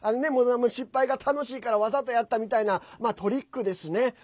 失敗が、楽しいからわざとやったかのようなトリックですね。